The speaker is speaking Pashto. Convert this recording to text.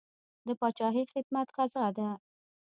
د پاچاهۍ خدمت غزا ده.